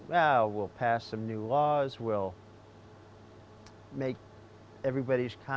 dan kemudian saya akan melakukan sesuatu yang adult dengan hidup saya